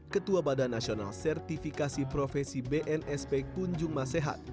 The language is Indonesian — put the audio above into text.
ketua badan nasional sertifikasi profesi bnsp kunjung masehat